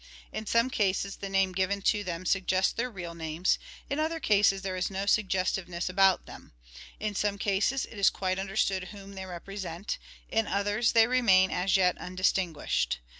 In some cases the names given to them suggest their real names, in other cases there is no suggestiveness about them ; in some cases it is quite understood whom they represent, in others they remain as yet undistinguished.